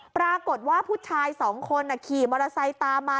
ปรากฏว่าผู้ชายสองคนขี่มอเตอร์ไซค์ตามมา